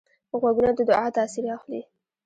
غوږونه د دعا تاثیر اخلي